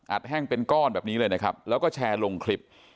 แห้งเป็นก้อนแบบนี้เลยนะครับแล้วก็แชร์ลงคลิป